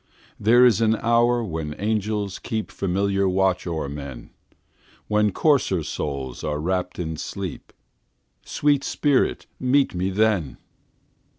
There is an hour when angels keepFamiliar watch o'er men, When coarser souls are wrapp'd in sleep—Sweet spirit, meet me then!